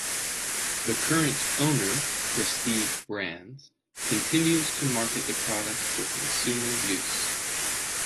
The current owner, Prestige Brands, continues to market the product for consumer use.